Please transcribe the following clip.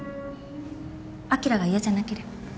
アキラが嫌じゃなければ。